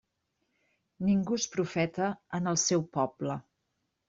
Ningú és profeta en el seu poble.